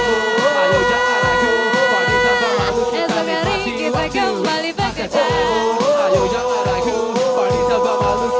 esok aman memainkan redup